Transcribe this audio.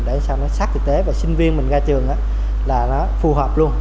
để sao nó sát thực tế và sinh viên mình ra trường là nó phù hợp luôn